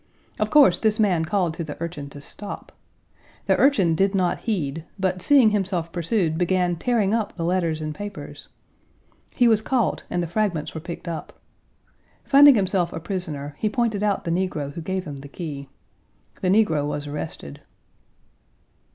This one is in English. Of course, this man called to the urchin to stop. The urchin did not heed, but seeing himself pursued, began tearing up the letters and papers. He was caught and the fragments were picked up. Finding himself a prisoner, he pointed out the negro who gave him the key. The negro was arrested.